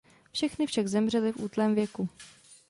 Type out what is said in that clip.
Všechny však zemřely v útlém věku.